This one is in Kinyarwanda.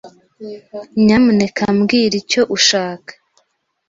Nyamuneka mbwira icyo ushaka.